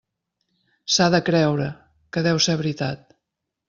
S'ha de creure, que deu ser veritat.